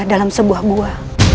dalam sebuah gua